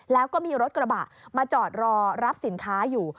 แล้วก็มีรถกระบะมาจอดรอรับสินค้าอยู่